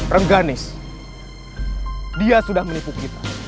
rengganis dia sudah menipu kita